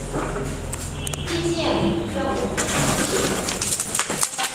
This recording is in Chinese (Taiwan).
經驗讓我看見